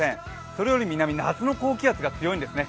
それより南、夏の高気圧が強いんですね。